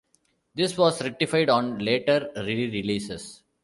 This was rectified on later re-releases.